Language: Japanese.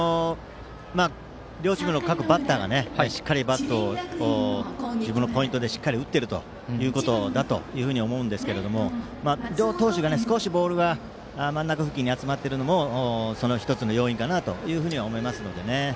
両チームの各バッターがしっかりバットを自分のポイントでしっかり打っていることだと思うんですけど両投手が少しボールが真ん中付近に集まっているのも１つの要因かなと思います。